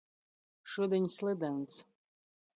Šudiņ slydons.